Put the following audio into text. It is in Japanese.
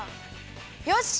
よし！